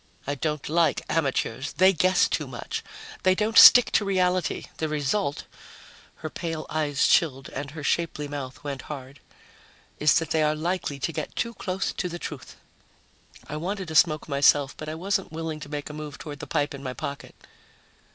I don't like amateurs. They guess too much. They don't stick to reality. The result " her pale eyes chilled and her shapely mouth went hard "is that they are likely to get too close to the truth." I wanted a smoke myself, but I wasn't willing to make a move toward the pipe in my jacket.